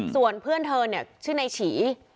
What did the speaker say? ส่วนเพื่อนเธอเนี่ยชื่อนายฉี